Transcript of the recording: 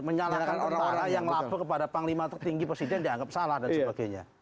menyalahkan tentara yang lapor kepada panglima tertinggi presiden dianggap salah dan sebagainya